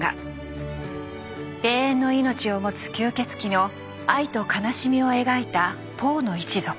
永遠の命を持つ吸血鬼の愛と悲しみを描いた「ポーの一族」。